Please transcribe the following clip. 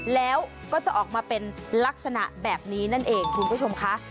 แล้วก็จะออกมาเป็นลักษณะแบบนี้นั่นเองคุณผู้ชมค่ะ